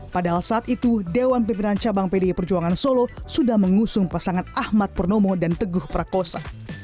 padahal saat itu dewan pimpinan cabang pdi perjuangan solo sudah mengusung pasangan ahmad purnomo dan teguh prakosa